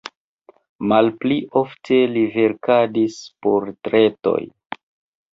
Malpli ofte li verkadis portretojn.